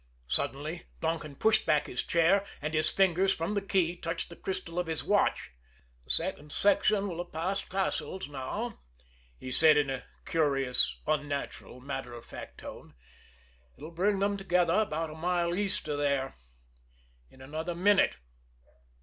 Suddenly Donkin pushed back his chair; and his fingers, from the key, touched the crystal of his watch. "The second section will have passed Cassil's now," he said in a curious, unnatural, matter of fact tone. "It'll bring them together about a mile east of there in another minute."